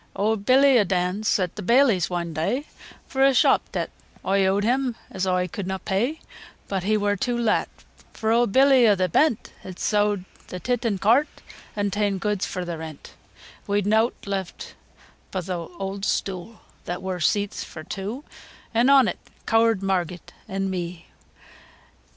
IV. Owd Billy o' Dans sent th' baileys one day, Fur a shop deebt oi eawd him, as oi could na pay, But he wur too lat, fur owd Billy o' th' Bent, Had sowd th' tit an' cart, an' ta'en goods fur th' rent, We'd neawt left bo' th' owd stoo', That wur seeats fur two, An' on it ceawred Marget an' me.